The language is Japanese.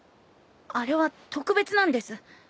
あれは特別なんです。